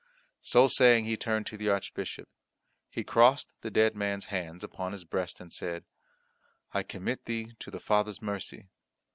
So saying he turned to the Archbishop; he crossed the dead man's hands upon his breast and said, "I commit thee to the Father's mercy.